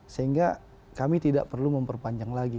sehingga kami tidak perlu memperpanjang lagi